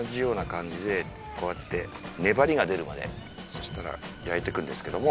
そしたら焼いていくんですけども。